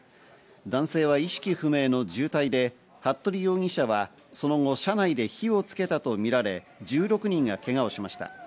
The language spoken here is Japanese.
男性は意識不明の重体で服部容疑者はその後車内で火をつけたとみられ、１６人がけがをしました。